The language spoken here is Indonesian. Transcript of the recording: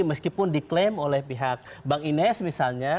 meskipun diklaim oleh pihak bang ines misalnya